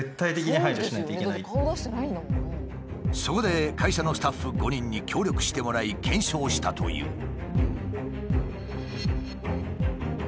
そこで会社のスタッフ５人に協力してもらい検証したという。